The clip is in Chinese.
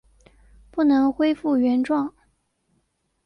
不能回复原状